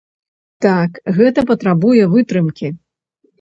Так, гэта патрабуе вытрымкі.